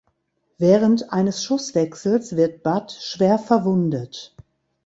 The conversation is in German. Während eines Schusswechsels wird Bud schwer verwundet.